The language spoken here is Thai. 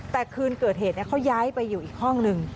แต่คืนเกิดเหตุเขาย้ายไปอยู่อีกห้องหนึ่ง